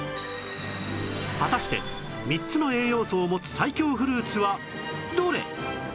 果たして３つの栄養素を持つ最強フルーツはどれ？